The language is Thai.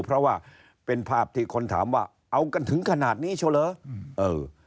เพราะว่าเป็นภาพที่คนถามว่าเอากันถึงขนาดนี้เช่าเหรออืมเออ